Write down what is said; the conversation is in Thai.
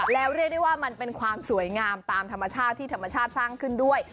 แล้วเรียกได้ว่ามันเป็นความสวยงามตามธรรมชาติที่ธรรมชาติสร้างขึ้นด้วย